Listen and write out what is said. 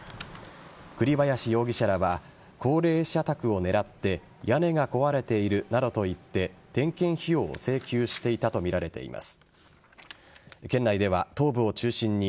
栗林容疑者らは高齢者宅を狙って屋根が壊れているなどと言って点検費用を請求していたとみられています。